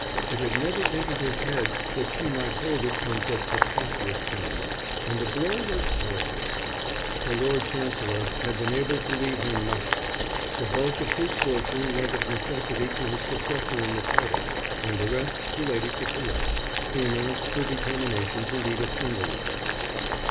It had never entered his head that she might hold it on such preposterous terms, and the blow was terrible. The Lord Chancellor had been able to leave him nothing. The bulk of his fortune went of necessity to his successor in the title and the rest to Lady Sophia, who announced her determination to lead a single life.